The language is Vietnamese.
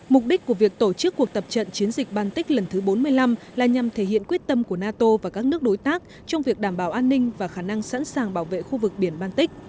mục đích của việc tổ chức cuộc tập trận chiến dịch baltics lần thứ bốn mươi năm là nhằm thể hiện quyết tâm của nato và các nước đối tác trong việc đảm bảo an ninh và khả năng sẵn sàng bảo vệ khu vực biển baltic